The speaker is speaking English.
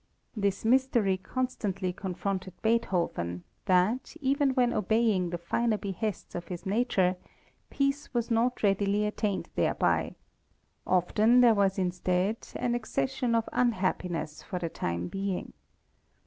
This mystery constantly confronted Beethoven, that, even when obeying the finer behests of his nature, peace was not readily attained thereby; often there was instead, an accession of unhappiness for the time being.